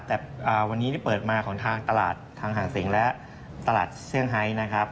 แต่วันนี้เปิดมาของทางตลาดทางหังเสงและตลาดเชื่องไฮท์นะครับ